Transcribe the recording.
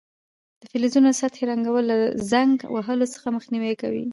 د فلزونو د سطحو رنګول له زنګ وهلو څخه مخنیوی کوي.